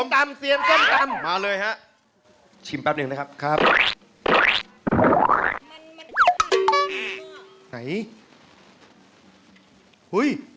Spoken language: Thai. ถามเปราะไม่เสี่ยง